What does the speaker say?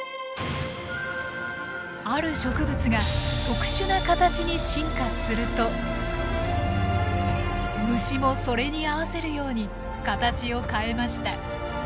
ある植物が特殊な形に進化すると虫もそれに合わせるように形を変えました。